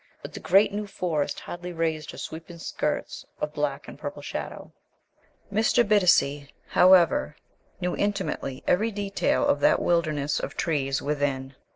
But the great New Forest hardly raised her sweeping skirts of black and purple shadow. Mr. Bittacy, however, knew intimately every detail of that wilderness of trees within.